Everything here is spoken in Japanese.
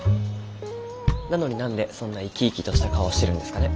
なのに何でそんな生き生きとした顔をしてるんですかね。